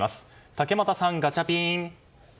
竹俣さん、ガチャピン。